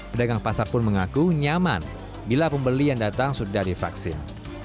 pedagang pasar pun mengaku nyaman bila pembeli yang datang sudah divaksin